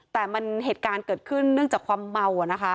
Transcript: แต่มันเหตุการณ์เกิดขึ้นเนื่องจากความเมาอะนะคะ